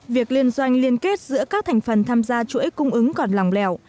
việc liên doanh liên kết giữa các thành phần tham gia chuỗi cung ứng còn lòng lẻo